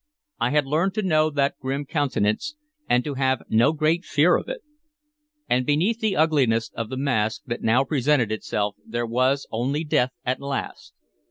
I had learned to know that grim countenance, and to have no great fear of it. And beneath the ugliness of the mask that now presented itself there was only Death at last.